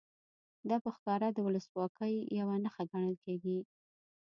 دا په ښکاره د ولسواکۍ یوه نښه ګڼل کېږي.